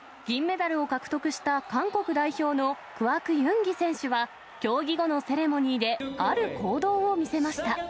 銀メダルを獲得した韓国代表のクァク・ユンギ選手は、競技後のセレモニーで、ある行動を見せました。